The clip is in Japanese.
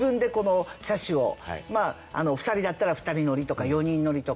まあ２人だったら２人乗りとか４人乗りとか。